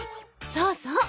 そうそう。